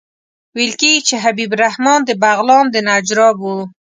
ویل کېږي چې حبیب الرحمن د بغلان د نجراب وو.